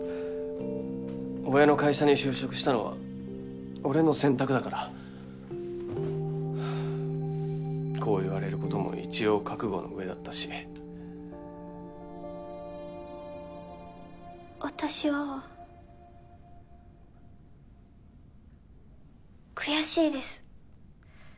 親の会社に就職したのは俺の選択だからこう言われることも一応覚悟の上だったし私は悔しいです